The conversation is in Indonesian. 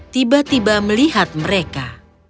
tiba tiba melihat mereka